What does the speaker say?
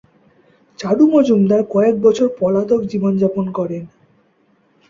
চারু মজুমদার কয়েক বছর পলাতক জীবন যাপন করেন।